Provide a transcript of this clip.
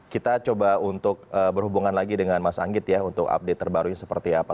kita coba untuk berhubungan lagi dengan mas anggit ya untuk update terbarunya seperti apa